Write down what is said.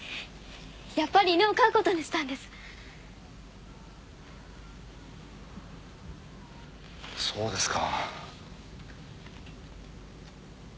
やっぱり犬を飼うことにしたんですそうですか